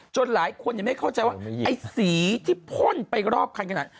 หลายคนยังไม่เข้าใจว่าไอ้สีที่พ่นไปรอบคันขนาด